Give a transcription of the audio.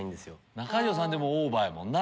中条さんでもオーバーやもんな。